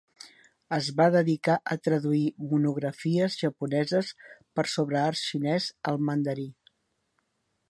Es va dedicar a traduir monografies japoneses sobre art xinès al mandarí.